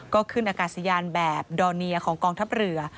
ก็ขึ้นอากาศยานแบบดอร์เนียของกองทัพเรือ